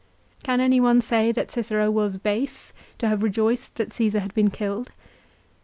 Can any one say that Cicero was base to have rejoiced that Caesar had been killed ?